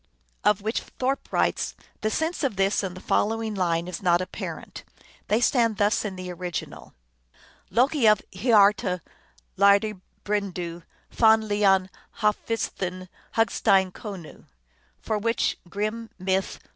Of which Thorpe writes, " The sense of this and the following line is not apparent. They stand thus in the original: Loki of hiarta lyrdi brendu, fann liann halfsvidthin hugstein konu, for which Grimm (Myth.